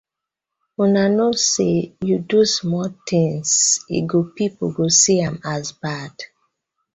Una kno say yu do small tins e go pipu go see am as bad.